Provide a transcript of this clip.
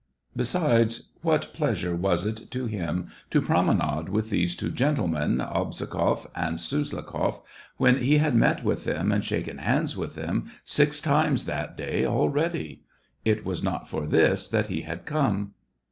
Besides, what pleasure was it to him to promenade with these two gentlemen, Obzhogoff and Suslikoff, when he had met them and shaken hands with them six times that day already ? It was not for this that he had come.